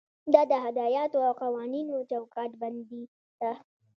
دا د هدایاتو او قوانینو چوکاټ بندي ده.